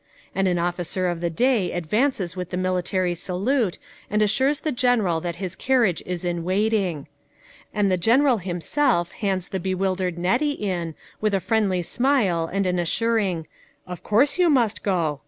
And an officer of the day advances with the military salute and assures the General that his carriage is in waiting. And the General himself hands the bewildered Nettie in, with a friendly smile and an assuring :" Of course you must go.